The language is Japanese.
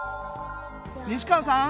西川さん